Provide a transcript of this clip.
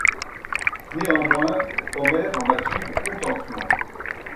Néanmoins Omer en acquit du contentement.